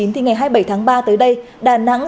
thì ngày hai mươi bảy tháng ba tới đây đà nẵng